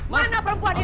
mana perempuan itu